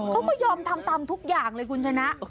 เขาก็ยอมทำตามทุกอย่างเลยคุณชนะ